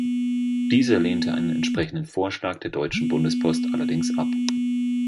Dieser lehnte einen entsprechenden Vorschlag der Deutschen Bundespost allerdings ab.